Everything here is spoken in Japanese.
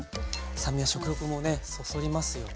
酸味は食欲もねそそりますよね。